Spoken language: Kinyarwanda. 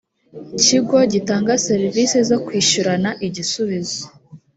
kigo gitanga serivisi zo kwishyurana igisubizo